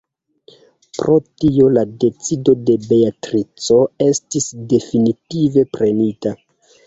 Pro tio la decido de Beatrico estis definitive prenita.